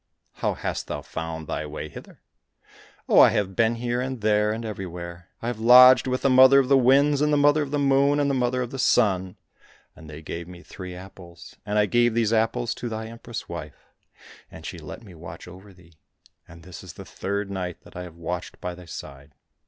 "—" How hast thou found thy way hither ?"—" Oh, I have been here and there and everywhere. I have lodged with the Mother of the Winds, and the Mother of the Moon, and the Mother of the Sun, and they gave me three apples, and I gave these apples to thy Empress wife, and she let me watch over thee, and this is the third night that I have watched by thy side."